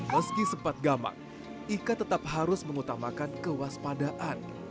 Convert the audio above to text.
meski sempat gamang ika tetap harus mengutamakan kewaspadaan